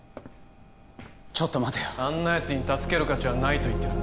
ちょっと待てよあんなやつに助ける価値はないと言ってるんだ